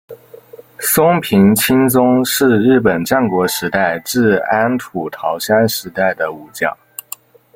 松平清宗是日本战国时代至安土桃山时代的武将。